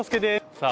さあ